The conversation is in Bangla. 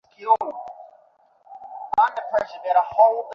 তার সাথে আরো কিছু গোলাম ক্রয় করলেন এবং তাদের নিয়ে মক্কায় ফিরে এলেন।